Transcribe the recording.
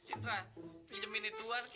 obat penyumbur rambut